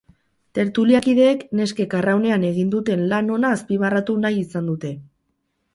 Tertuliakideek neskek arraunean egin duten lan ona azpimarratu nahi izan dute.